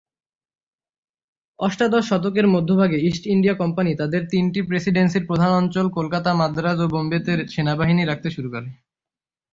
অষ্টাদশ শতকের মধ্যভাগে ইস্ট ইন্ডিয়া কোম্পানি তাদের তিনটি প্রেসিডেন্সির প্রধান অঞ্চল কলকাতা, মাদ্রাজ ও বোম্বেতে সেনাবাহিনী রাখতে শুরু করে।